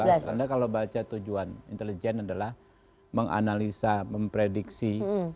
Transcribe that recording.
anda kalau baca tujuan intelijen adalah menganalisa memprediksi